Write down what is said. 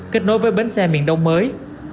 kết nối với bến xe miền đông mới